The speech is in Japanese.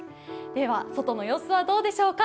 では外の様子はどうでしょうか。